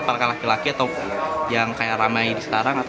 para laki laki atau yang kayak ramai di sekarang